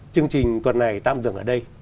chương trình tuần này tạm dừng ở đây